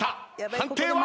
判定は？